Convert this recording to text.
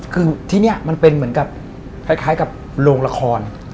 คือที่นี่มันเป็นเหมือนกับคล้ายกับโรงละคร